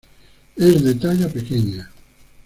Es de talla pequeña.